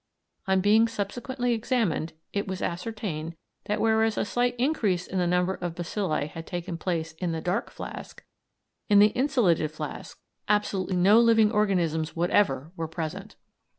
On being subsequently examined it was ascertained that whereas a slight increase in the number of bacilli had taken place in the "dark" flask, in the insolated flask absolutely no living organisms whatever were present.